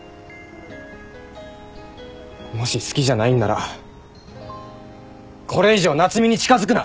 もし好きじゃないんならこれ以上夏海に近づくな！